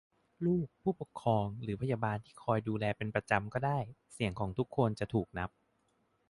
ลูก ผู้ปกครอง หรือพยาบาลที่คอยดูแลเป็นประจำก็ได้ - เสียงของทุกคนจะถูกนับ